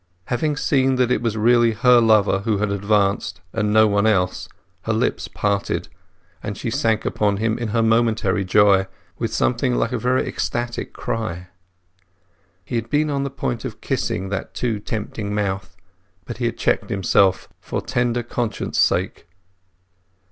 Having seen that it was really her lover who had advanced, and no one else, her lips parted, and she sank upon him in her momentary joy, with something very like an ecstatic cry. He had been on the point of kissing that too tempting mouth, but he checked himself, for tender conscience' sake.